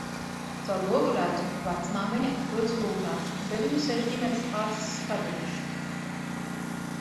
Caur logu redzu, vecmāmiņa atrodas gultā un pie viņas sēž ģimenes ārsts Skadiņš.